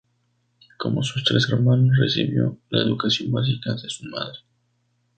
Como sus tres hermanos, recibió la educación básica de su madre.